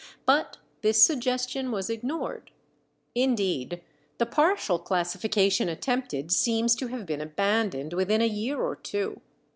But this suggestion was ignored. Indeed the partial classification attempted seems to have been abandoned within a year or two.